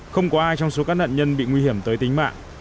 không có ai trong số các nạn nhân bị nguy hiểm tới tính mạng